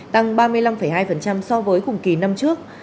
tăng ba mươi năm hai so với cùng kỳ năm trước